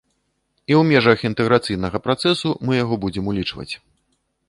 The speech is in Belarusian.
І ў межах інтэграцыйнага працэсу мы яго будзем улічваць.